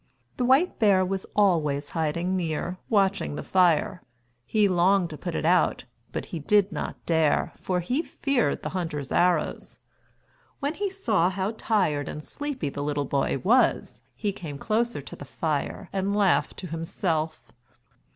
The white bear was always hiding near, watching the fire. He longed to put it out, but he did not dare, for he feared the hunter's arrows. When he saw how tired and sleepy the little boy was, he came closer to the fire and laughed to himself.